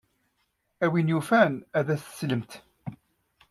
A win yufan ad as-teslemt.